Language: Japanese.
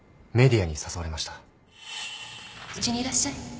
うちにいらっしゃい